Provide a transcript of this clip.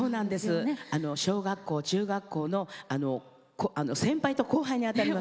小学校中学校の先輩と後輩にあたります。